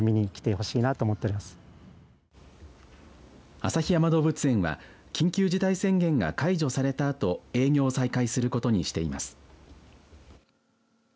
旭山動物園は緊急事態宣言が解除されたあと営業を再開することにしています。